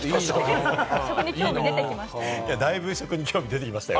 食に興味が出てきましたね。